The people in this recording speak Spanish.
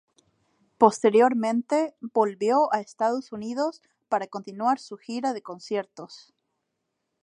Posteriormente, volvió a Estados Unidos para continuar su gira de conciertos.